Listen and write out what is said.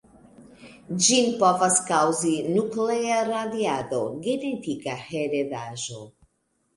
Ĝin povas kaŭzi nuklea radiado, genetika heredaĵo.